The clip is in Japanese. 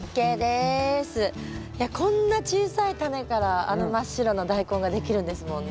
いやこんな小さいタネからあの真っ白なダイコンができるんですもんね。